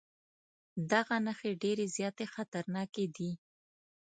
دغه نښې ډېرې زیاتې ارزښتناکې دي.